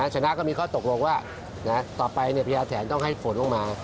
ชนะก็มีข้อตกลงว่าต่อไปพญาแถนต้องให้ฝนลงมา